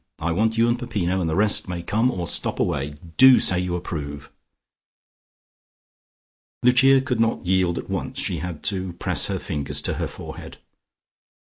I want you and Peppino, and the rest may come or stop away. Do say you approve." Lucia could not yield at once. She had to press her fingers to her forehead.